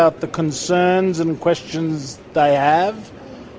tentang pertanyaan dan pertanyaan yang mereka miliki